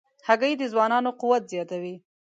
هګۍ د ځوانانو قوت زیاتوي.